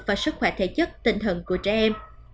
và sức khỏe thể chất tinh thần của trẻ em